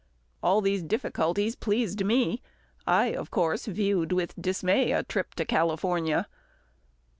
All these difficulties pleased me. I, of course, viewed with dismay a trip to California.